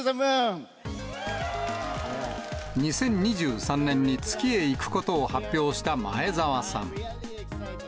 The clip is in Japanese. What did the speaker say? ２０２３年に月へ行くことを発表した前澤さん。